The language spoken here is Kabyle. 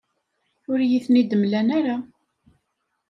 Ur iyi-ten-id-mlan ara.